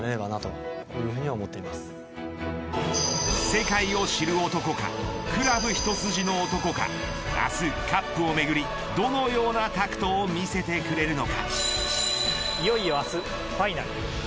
世界を知る男かグラブ一筋の男か明日、カップをめぐりどのよう格闘を見せてくれるのか。